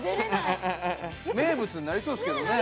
名物になりそうですけどね。